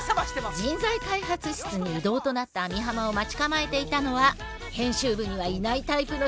人材開発室に異動となった網浜を待ち構えていたのは編集部にはいないタイプの人たち。